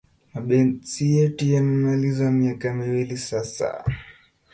Mapenzi yetu yamemaliza miaka miwili sasa